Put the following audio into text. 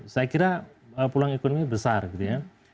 saya kira peluang ekonomi besar gitu ya